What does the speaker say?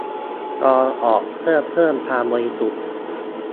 กรองออกเพื่อเพิ่มความบริสุทธิ์